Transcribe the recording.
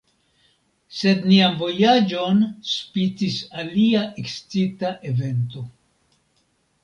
Sed nian vojaĝon spicis alia ekscita evento.